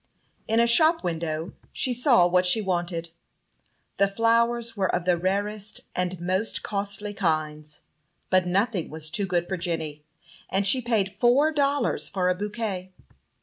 In a shop window she saw what she wanted. The flowers were of the rarest and most costly kinds; but nothing was too good for Jenny, and she paid four dollars for a bouquet.